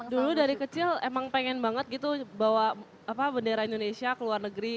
dulu dari kecil emang pengen banget gitu bawa bendera indonesia ke luar negeri